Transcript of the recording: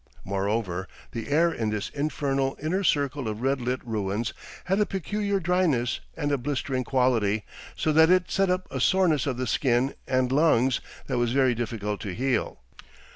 Moreover, the air in this infernal inner circle of red lit ruins had a peculiar dryness and a blistering quality, so that it set up a soreness of the skin and lungs that was very difficult to heal....